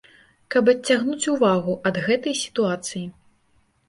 Каб адцягнуць увагу ад гэтай сітуацыі.